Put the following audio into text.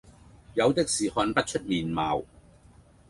有的是看不出面貌，